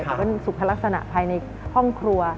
แต่เป็นสุขลักษณะภายในห้องครัว